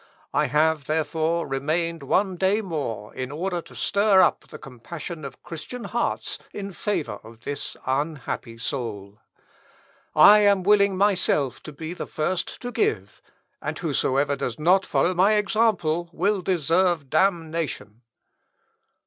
I have, therefore, remained one day more, in order to stir up the compassion of Christian hearts in favour of this unhappy soul. I am willing myself to be the first to give, and whosoever does not follow my example will deserve damnation."